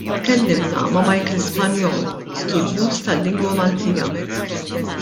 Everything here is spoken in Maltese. Tkellimna ma' Michael Spagnol, studjuż tal-lingwa Maltija.